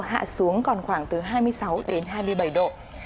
hạ xuống còn khoảng hai mươi sáu đến hai mươi bảy độ